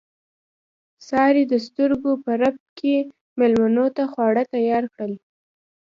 سارې د سترګو په رپ کې مېلمنو ته خواړه تیار کړل.